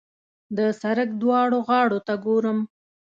د سړک دواړو غاړو ته ګورم.